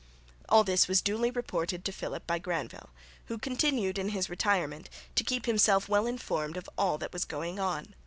All this was duly reported to Philip by Granvelle, who continued, in his retirement, to keep himself well informed of all that was going on.